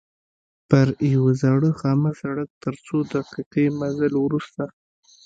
پر یوه زاړه خامه سړک تر څو دقیقې مزل وروسته.